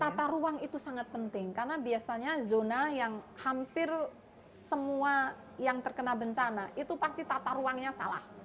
tata ruang itu sangat penting karena biasanya zona yang hampir semua yang terkena bencana itu pasti tata ruangnya salah